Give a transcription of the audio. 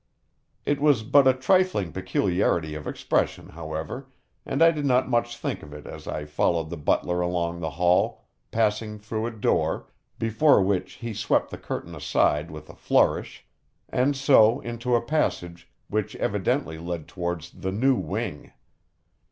It was but a trifling peculiarity of expression, however, and I did not think much of it as I followed the butler along the hall, passing through a door, before which he swept the curtain aside with a flourish, and so into a passage which evidently led towards the new wing.